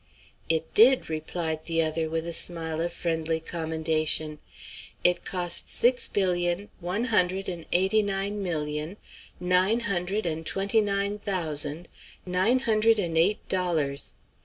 "It did," replied the other, with a smile of friendly commendation; "it cost six billion, one hundred and eighty nine million, nine hundred and twenty nine thousand, nine hundred and eight dollars.